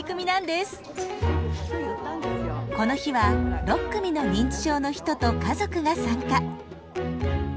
この日は６組の認知症の人と家族が参加。